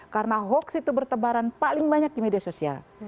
karena hoaks itu bertebaran paling banyak di media sosial